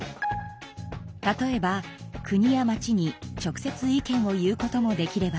例えば国や町に直接意見を言うこともできれば。